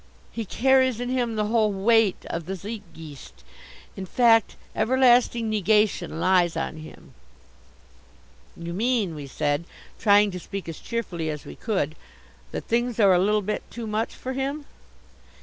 He carries in him the whole weight of the Zeitgeist; in fact, everlasting negation lies on him " "You mean," we said, trying to speak as cheerfully as we could, "that things are a little bit too much for him."